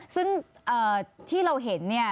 ซึ่งที่เราเห็นเนี่ย